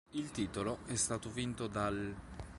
Il titolo è stato vinto dall'.